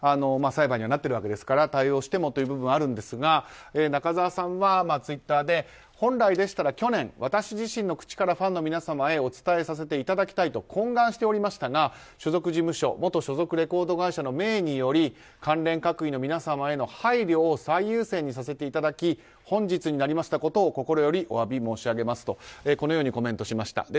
裁判になっているわけですからもっと早く対応してもという部分はあるんですが中澤さんはツイッターで本来でしたら去年私自身の口からファンの皆様へお伝えさせていただきたいと懇願しておりましたが所属事務所元所属レコード会社の命により関連各位の皆様への配慮を最優先にさせていただき本日になりましたことを心よりお詫び申し上げますとコメントしました。